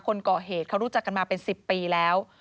คนก่อเหตุเขารู้จักกันมาเป็น๑๐ปีแล้ว